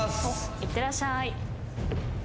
いってらっしゃい。